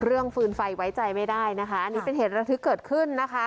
ฟืนไฟไว้ใจไม่ได้นะคะอันนี้เป็นเหตุระทึกเกิดขึ้นนะคะ